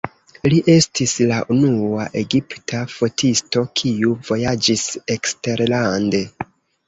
Li estis la unua egipta fotisto, kiu vojaĝis eksterlande.